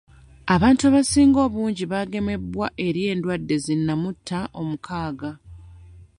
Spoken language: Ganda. Abantu abasinga obungi baagemebwa eri endwadde zi nnamutta omukaaga.